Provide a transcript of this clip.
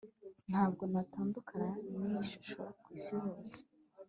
Ntabwo natandukana niyi shusho kwisi yose